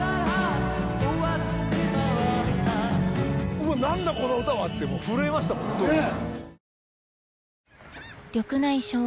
「うわ何だこの歌は！」ってもう震えましたもんね